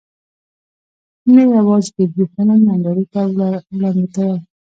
نۀ يواځې د دې فلم نندارې ته وړاندې کول